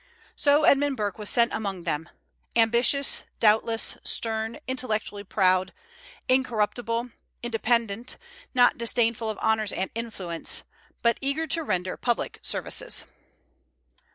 So Edmund Burke was sent among them, ambitious doubtless, stern, intellectually proud, incorruptible, independent, not disdainful of honors and influence, but eager to render public services.